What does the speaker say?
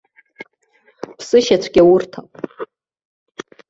Ԥсышьацәгьа урҭап!